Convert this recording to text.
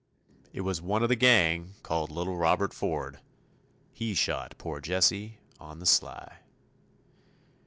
It was one of the gang called little Robert Ford, He shot poor Jesse on the sly.